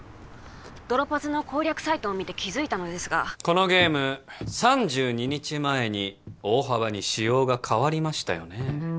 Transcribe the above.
ドロパズの攻略サイトを見て気づいたのですがこのゲーム３２日前に大幅に仕様が変わりましたよね